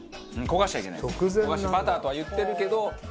焦がしバターとは言ってるけど。